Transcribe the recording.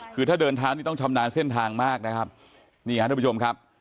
คือถ้าเดินเท้านี่ต้องชำนาญเส้นทางมากนะครับนี่ฮะทุกผู้ชมครับ